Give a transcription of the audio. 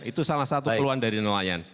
itu salah satu keluhan dari nelayan